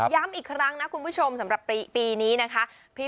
ย้ำอีกครั้งนะคุณผู้ชมสำหรับปีนี้นะคะ